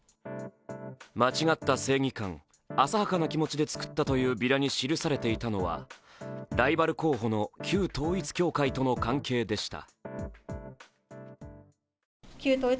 間違った正義感、浅はかな気持ちで作ったというビラに記されていたのはライバル候補の旧統一教会との関係でした。